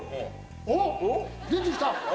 おっ出て来た。